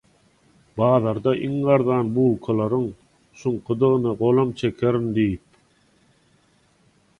Bazarda iň arzan bulgaryň şuňkudygyna golam çekerin» diýip